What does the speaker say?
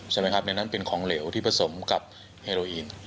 ใช่ไหมครับในนั้นเป็นของเหลวที่ผสมกับเฮโรอีน